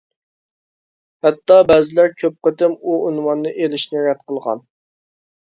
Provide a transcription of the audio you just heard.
ھەتتا بەزىلەر كۆپ قېتىم بۇ ئۇنۋاننى ئېلىشنى رەت قىلغان.